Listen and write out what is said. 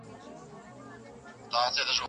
نوراني